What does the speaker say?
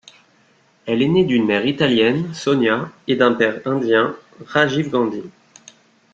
Elle est née d'une mère italienne, Sonia, et d'un père indien, Rajiv Gandhi.